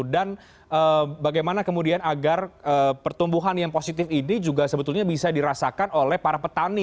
dan bagaimana kemudian agar pertumbuhan yang positif ini juga sebetulnya bisa dirasakan oleh para petani